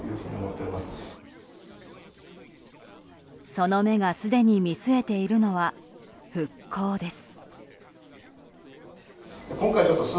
その目がすでに見据えているのは、復興です。